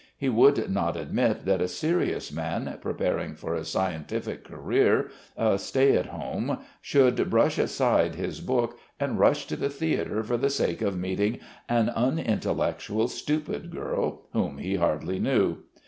He would not admit that a serious man, preparing for a scientific career, a stay at home, should brush aside his book and rush to the theatre for the sake of meeting an unintellectual, stupid girl whom he hardly knew.